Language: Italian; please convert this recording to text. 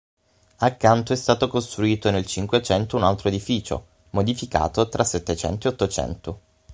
Accanto è stato costruito nel Cinquecento un altro edificio, modificato tra Settecento e Ottocento.